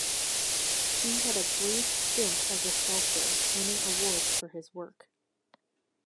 He had a brief stint as a sculptor, winning awards for his work.